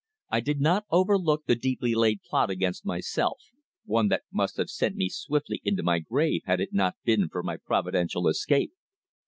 I did not overlook the deeply laid plot against myself, one that must have sent me swiftly into my grave had it not been for my providential escape.